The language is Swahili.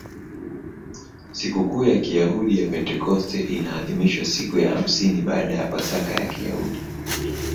Sikukuu ya Kiyahudi ya Pentekoste inaadhimishwa siku ya hamsini baada ya Pasaka ya Kiyahudi.